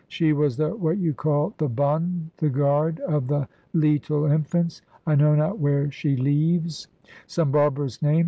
"She was the what you call the bonne, the guard of the leetle infants. I know not where she leeves, some barbarous name.